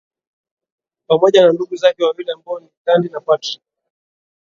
Pamoja na ndugu zake wawili ambao ni Thandi na Patrick